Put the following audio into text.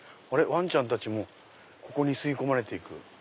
わんちゃんたちもここに吸い込まれていく。